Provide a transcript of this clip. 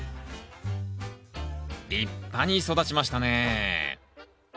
立派に育ちましたね